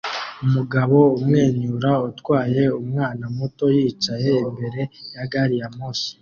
Umugabo umwenyura utwaye umwana muto yicaye imbere ya gari ya moshi